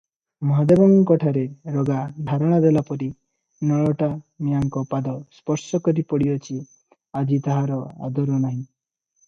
ମହାଦେବଙ୍କଠାରେ ରୋଗା ଧାରଣ ଦେଲାପରି ନଳଟା ମିଆଁଙ୍କ ପାଦ ସ୍ପର୍ଶକରି ପଡ଼ିଅଛି, ଆଜି ତାହାର ଆଦର ନାହିଁ ।